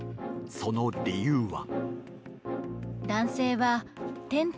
その理由は。